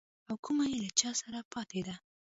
او کومه يې له چا سره پاته ده.